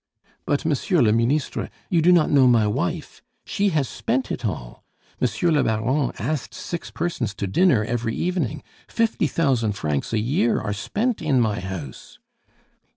"But, Monsieur le Ministre, you do not know my wife. She has spent it all. Monsieur le Baron asked six persons to dinner every evening. Fifty thousand francs a year are spent in my house."